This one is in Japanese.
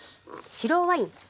白ワイン。